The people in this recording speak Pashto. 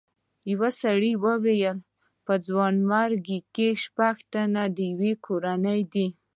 یو سړي وویل په ځوانیمرګو کې شپږ تنه د یوې کورنۍ دي.